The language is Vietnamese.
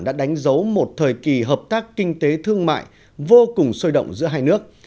đã đánh dấu một thời kỳ hợp tác kinh tế thương mại vô cùng sôi động giữa hai nước